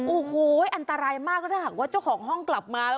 โอ้โหอันตรายมากแล้วถ้าหากว่าเจ้าของห้องกลับมาแล้ว